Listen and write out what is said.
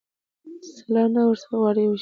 سلا نه ورڅخه غواړي چي هوښیار وي